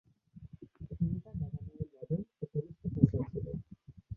তিনি তার বাবা-মায়ের নবম ও কনিষ্ঠ সন্তান ছিলেন।